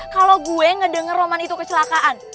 kalau gue ngedenger roman itu kecelakaan